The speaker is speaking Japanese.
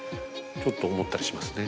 ちょっと思ったりしますね。